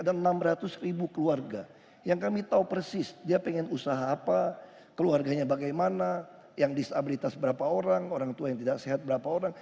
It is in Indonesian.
ada enam ratus ribu keluarga yang kami tahu persis dia pengen usaha apa keluarganya bagaimana yang disabilitas berapa orang orang tua yang tidak sehat berapa orang